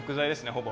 ほぼ。